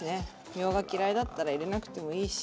みょうが嫌いだったら入れなくてもいいし。